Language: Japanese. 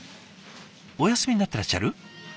お休みになってらっしゃる？